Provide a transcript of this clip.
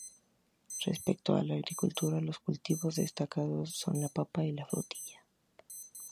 Respecto a la agricultura, los cultivos destacados son la papa y la frutilla.